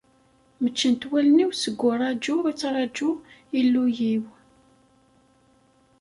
Mmeččent wallen-iw seg uraǧu i ttraǧuɣ Illu-iw.